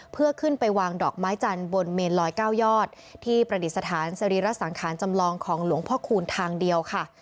เพื่อขึ้นไปวางดอกไม้จันทร์บนเมนลอย๙ยอดที่ประดิษฐานสรีระสังขารจำลองของหลวงพ่อคูณทางเดียวค่ะ